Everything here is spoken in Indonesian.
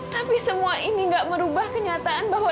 tapi semua ini gak merubah kenyataan bahwa